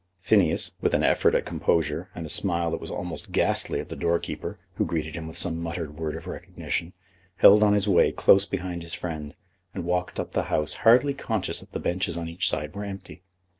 Phineas, with an effort at composure, and a smile that was almost ghastly at the door keeper, who greeted him with some muttered word of recognition, held on his way close behind his friend, and walked up the House hardly conscious that the benches on each side were empty.